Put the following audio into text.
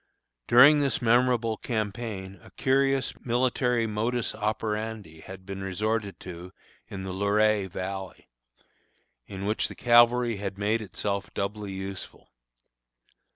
During this memorable campaign, a curious military modus operandi had been resorted to in the Luray Valley, in which the cavalry had made itself doubly useful.